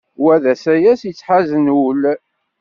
Wa d asayes yettḥazen ul.